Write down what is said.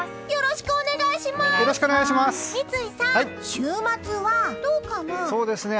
よろしくお願いします！